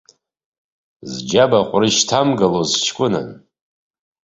Зџьыба ҟәрышь ҭамгылоз ҷкәынан.